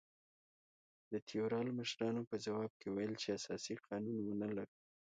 د تیورال مشرانو په ځواب کې ویل چې اساسي قانون ونه لرو.